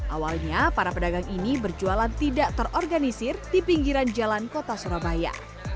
awalnya para pedagang ini berjualan tidak terorganisir di pinggiran jalan kota surabaya